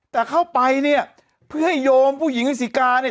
แต่เข้าไปเนี่ยเพื่อให้โยมผู้หญิงให้สิกาเนี่ย